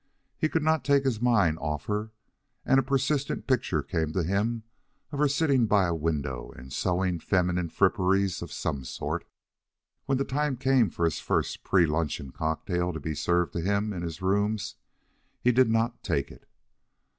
He could not take his mind off of her, and a persistent picture came to him of her sitting by a window and sewing feminine fripperies of some sort. When the time came for his first pre luncheon cocktail to be served to him in his rooms, he did not take it.